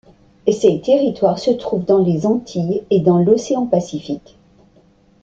Ces territoires se trouvent dans les Antilles et dans l'Océan Pacifique.